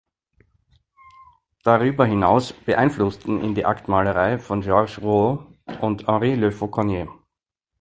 Darüber hinaus beeinflussten ihn die Aktmalerei von Georges Rouault und Henri Le Fauconnier.